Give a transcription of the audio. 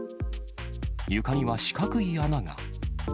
床には四角い穴が。